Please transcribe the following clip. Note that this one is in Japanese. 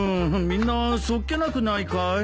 みんなそっけなくないかい？